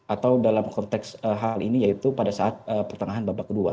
atau dalam konteks hal ini yaitu pada saat pertandingan